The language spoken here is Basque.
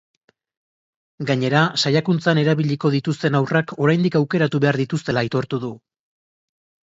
Gainera, saiakuntzan erabiliko dituzten haurrak oraindik aukeratu behar dituztela aitortu du.